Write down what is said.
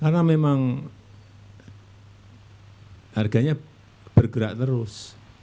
karena memang harganya bergerak terus